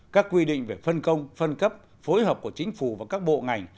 các quy định về phân công phân cấp phối hợp của chính phủ và các bộ ngành